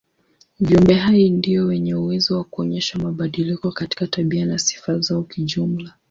Viumbe hai ndio wenye uwezo wa kuonyesha mabadiliko katika tabia na sifa zao kijumla.